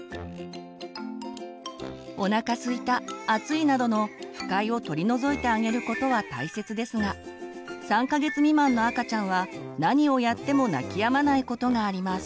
おなかすいた暑いなどの不快を取り除いてあげることは大切ですが３か月未満の赤ちゃんは何をやっても泣きやまないことがあります。